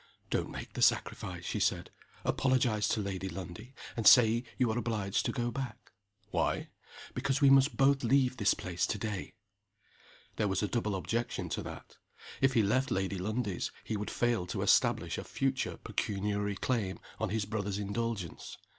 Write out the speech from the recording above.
"Don't make the sacrifice," she said. "Apologize to Lady Lundie, and say you are obliged to go back." "Why?" "Because we must both leave this place to day." There was a double objection to that. If he left Lady Lundie's, he would fail to establish a future pecuniary claim on his brother's indulgence.